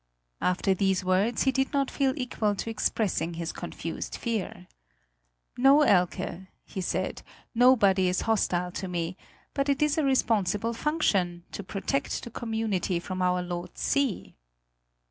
After these words, he did not feel equal to expressing his confused fear. "No, Elke," he said, "nobody is hostile to me; but it is a responsible function to protect the community from our Lord's sea."